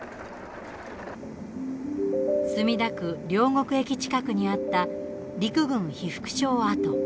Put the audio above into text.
墨田区、両国駅近くにあった陸軍被服廠跡。